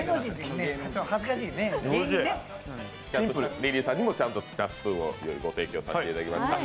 リリーさんにはちゃんとしたスプーンをご提供させていただきました。